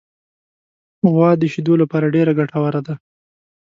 غوا د شیدو لپاره ډېره ګټوره ده.